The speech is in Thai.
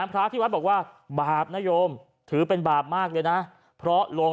พระที่วัดบอกว่าบาปนโยมถือเป็นบาปมากเลยนะเพราะลง